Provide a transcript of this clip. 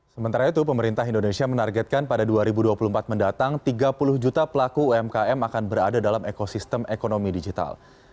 sementara itu pemerintah indonesia menargetkan pada dua ribu dua puluh empat mendatang tiga puluh juta pelaku umkm akan berada dalam ekosistem ekonomi digital